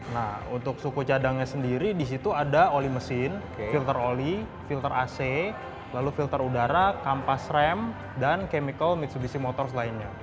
nah untuk suku cadangnya sendiri di situ ada oli mesin filter oli filter ac lalu filter udara kampas rem dan chemical mitsubishi motors lainnya